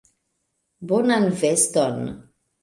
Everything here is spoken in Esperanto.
Bonan veston.